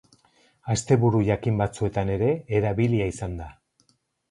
Asteburu jakin batzuetan ere erabilia izan da.